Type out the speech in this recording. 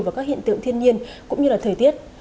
vào các hiện tượng thiên nhiên cũng như là thời tiết